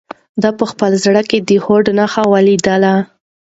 ده په خپل زړه کې د هوډ نښې ولیدلې.